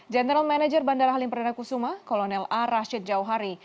general manager bandara halim perdana kusuma kolonel a rashid jauhari